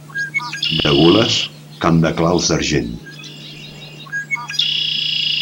De gules, camp de claus d'argent.